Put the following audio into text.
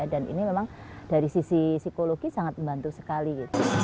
dan ini memang dari sisi psikologi sangat membantu sekali